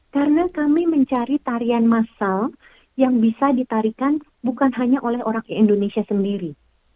karena kami mencari tarian massal yang bisa ditarikan bukan hanya oleh orang indonesia sendiri